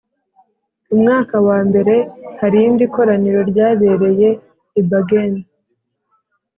umwaka wambere hari irindi koraniro ryabereye i Bergen